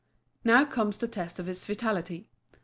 Now comes the test of its vitality.